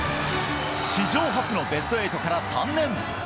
史上初のベスト８から３年。